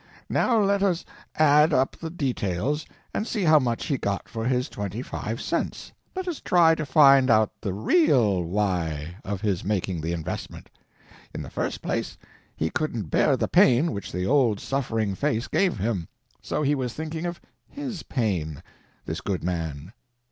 Now let us add up the details and see how much he got for his twenty five cents. Let us try to find out the real why of his making the investment. In the first place he couldn't bear the pain which the old suffering face gave him. So he was thinking of his pain—this good man.